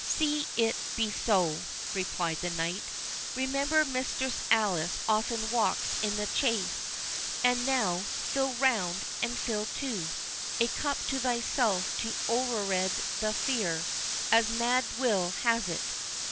"See it be so," replied the knight; "remember Mistress Alice often walks in the Chase. And now, fill round, and fill too, a cup to thyself to overred thy fear, as mad Will has it.